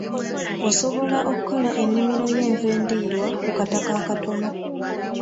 Osobola okola ennimiro y'enva endirwa ku kataka akatono.